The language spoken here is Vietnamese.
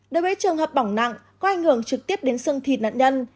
đối với trường hợp bỏng nặng có ảnh hưởng trực tiếp đến xương thịt nạn nhân